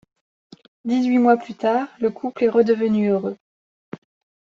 Dix-huit mois plus tard, le couple est redevenu heureux.